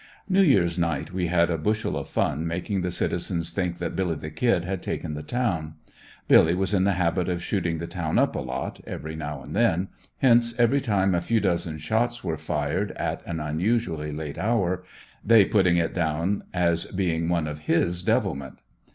New Year's night we had a bushel of fun making the citizens think that "Billy the Kid" had taken the town. Billy was in the habit of "shooting the town up a lot" every now and then, hence, every time a few dozen shots were fired at an unusually late hour, they putting it down as being some of his devilment.